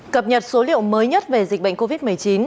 cập nhật số liệu mới nhất về dịch bệnh covid một mươi chín